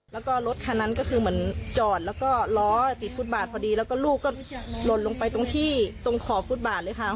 แล้วก็รถคันนั้นก็คือเหมือนจอดแล้วก็ล้อติดฟุตบาทพอดีแล้วก็ลูกก็หล่นลงไปตรงที่ตรงขอบฟุตบาทเลยค่ะ